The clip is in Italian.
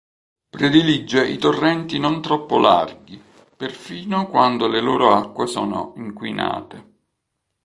Predilige i torrenti non troppo larghi, perfino quando le loro acque sono inquinate.